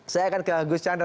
saya akan ke gus chandra